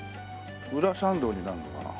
裏参道になるのかな？